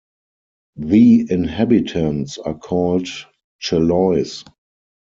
The inhabitants are called "Chellois".